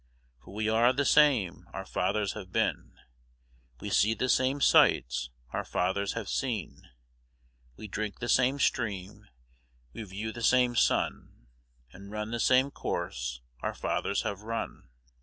For we are the same our fathers have been; We see the same sights our fathers have seen; We drink the same stream, we view the same sun, And run the same course our fathers have run.